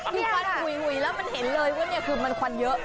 ควันหุ่ยหุ่ยแล้วมันเห็นเลยว่าเนี่ยคือมันควันเยอะ